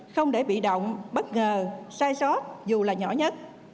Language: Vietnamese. không để bị động bất ngờ sai sót dù là nhỏ nhất